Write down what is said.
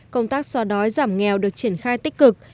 công tác xóa đói giảm nghèo được triển khai tích cực